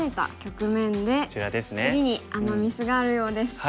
次にアマ・ミスがあるようです。